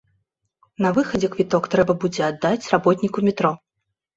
На выхадзе квіток трэба будзе аддаць работніку метро.